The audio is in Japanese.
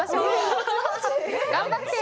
頑張って！